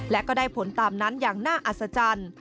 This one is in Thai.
และก็ได้ผลตามนั้นอย่างน่าอัศจรรย์